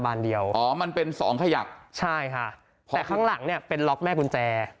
เดียวอ๋อมันเป็นสองขยักใช่ค่ะแต่ข้างหลังเนี่ยเป็นล็อกแม่กุญแจ